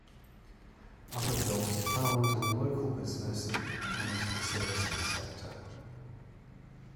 Other jobs are found in local business and the services sector.